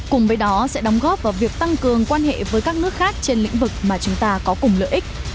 cùng với đó sẽ đóng góp vào việc tăng cường quan hệ với các nước khác trên lĩnh vực mà chúng ta có cùng lợi ích